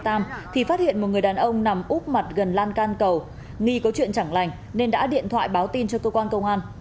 thì phát hiện một người đàn ông nằm úp mặt gần lan can cầu nghi có chuyện chẳng lành nên đã điện thoại báo tin cho cơ quan công an